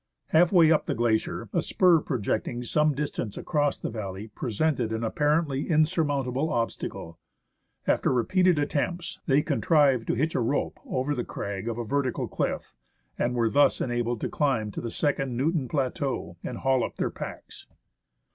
Half way up the glacier, a spur projecting some distance across the valley presented an apparently insurmountable obstacle. After repeated attempts, they contrived to hitch a rope over the crag of a vertical cliff, and were thus enabled to climb to the second Newton plateau and haul up their packs.